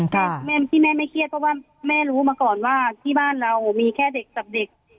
แม่ที่แม่ไม่เครียดเพราะว่าแม่รู้มาก่อนว่าที่บ้านเรามีแค่เด็กกับเด็ก